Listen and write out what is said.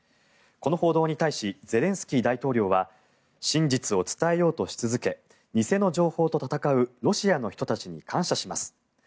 この報道に対しゼレンスキー大統領は真実を伝えようとし続け偽の情報と戦うロシアの人たちに感謝します